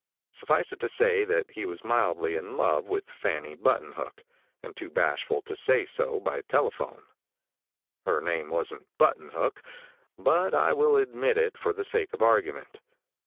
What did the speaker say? Suffice it to say that he was madly in love with Fanny Buttonhook, and too bashful to say so by telephone. Her name wasn't Buttonhook, but I will admit it for the sake of argument.